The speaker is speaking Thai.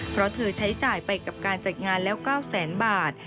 เพราะเธอใช้จ่ายไปกับการจัดงานแล้ว๙แสนบาท